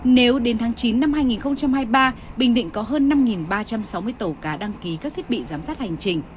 nếu đến tháng chín năm hai nghìn hai mươi ba bình định có hơn năm ba trăm sáu mươi tàu cá đăng ký các thiết bị giám sát hành trình